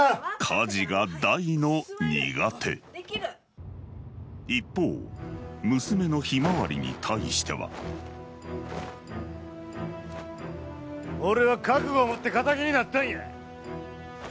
家事が大の苦手一方娘の向日葵に対しては俺は覚悟を持ってカタギになったんや。